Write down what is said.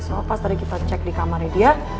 soal pas tadi kita cek di kamarnya dia